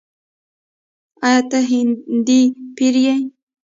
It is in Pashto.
“آیا ته هندی پیر یې؟”